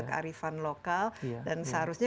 kearifan lokal dan seharusnya